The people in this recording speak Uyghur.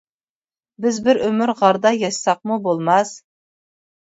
بىز بىر ئۆمۈر غاردا ياشىساقمۇ بولماس؟ !